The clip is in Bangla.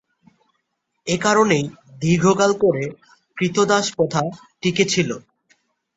একারণেই দীর্ঘকাল করে ক্রীতদাস প্রথা টিকে ছিল।